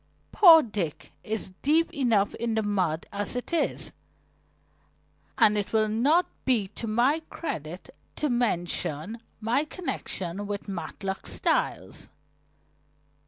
Poor Dick is deep enough in the mud as it is, and it will not be to my credit to mention my connection with Matlock Styles."